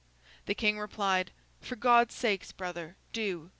The King replied, 'For God's sake, brother, do!